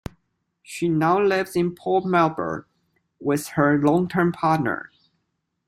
She now lives in Port Melbourne with her long-term partner.